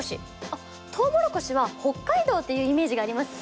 あっとうもろこしは北海道っていうイメージがあります。